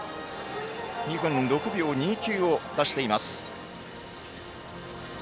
自己ベスト２分６秒２９を出しています。